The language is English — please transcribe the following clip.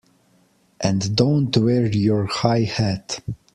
And don't wear your high hat!